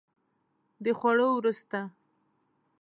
د خوړو وروسته